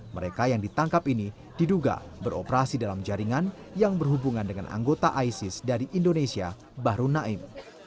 mereka yang ditangkap ini diduga beroperasi dalam jaringan yang berhubungan dengan anggota isis dari indonesia bahru naim